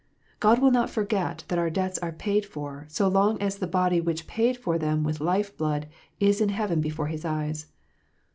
God will not forget that our debts are paid for, so long as the body which paid for them with life blood is in heaven before His eyes.